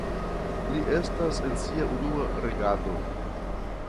Li estas en sia unua regado.